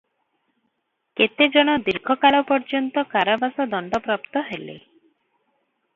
କେତେଜଣ ଦୀର୍ଘକାଳ ପର୍ଯ୍ୟନ୍ତ କାରାବାସ ଦଣ୍ଡ ପ୍ରାପ୍ତ ହେଲେ ।